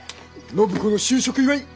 暢子の就職祝い！